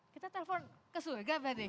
kita telepon ke surga berarti